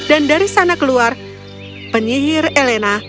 dan dari sana keluar penyihir elena